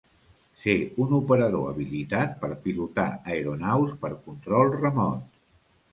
Ser un operador habilitat per pilotar aeronaus per control remot.